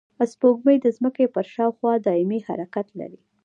سپوږمۍ د ځمکې پر شاوخوا دایمي حرکت لري